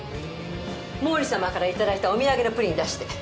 毛利様から頂いたお土産のプリン出して。